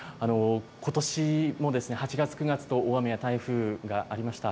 ことしも８月、９月と、大雨や台風がありました。